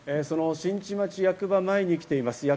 その新地町役場前に来ています。